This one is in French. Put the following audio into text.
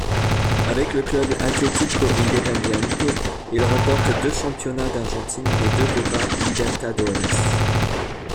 Avec le Club Atlético Independiente, il remporte deux championnats d'Argentine et deux Copa Libertadores.